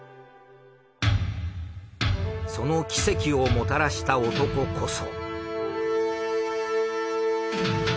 その奇跡をもたらした男こそ。